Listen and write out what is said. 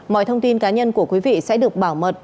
mọi thông tin cá nhân của quý vị sẽ được bảo mật